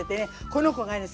この子がね